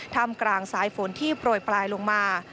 ทำกลางสายฝนที่โปรยปลายลงมา